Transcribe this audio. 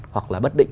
hoặc là bất định